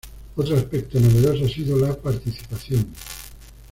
Otro aspecto novedoso ha sido la participación.